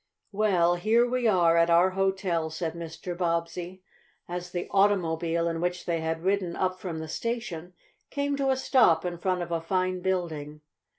"Well, here we are at our hotel," said Mr. Bobbsey, as the automobile in which they had ridden up from the station came to a stop in front of a fine building.